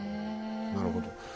なるほど。